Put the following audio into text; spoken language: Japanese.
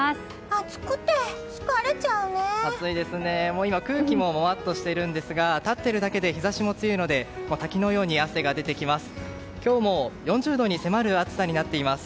暑いですね、今空気ももわっとしているんですが立っているだけで日差しも強いので滝のように汗が出てきます。